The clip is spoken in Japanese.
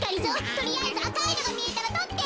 とりあえずあかいのがみえたらとって。